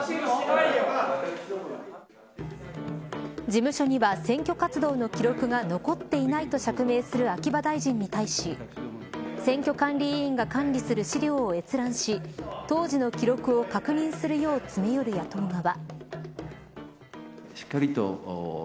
事務所には、選挙活動の記録が残っていないと釈明する秋葉大臣に対し選挙管理委員が管理する資料を閲覧し当時の記録を確認するよう詰め寄る野党側。